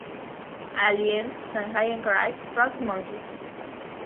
Aliens", "Sanjay and Craig", "Rocket Monkeys".